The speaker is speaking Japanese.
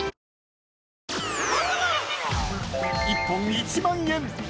［１本１万円！